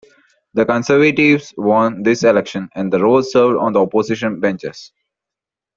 The Conservatives won this election, and Ross served on the opposition benches.